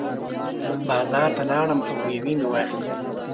بازار ته لاړم او مېوې مې واخېستې.